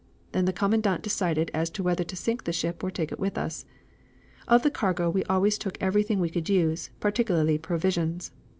Then the commandant decided as to whether to sink the ship or take it with us. Of the cargo we always took every thing we could use, particularly provisions.